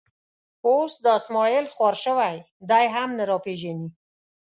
اوس دا اسمعیل خوار شوی، دی هم نه را پېژني.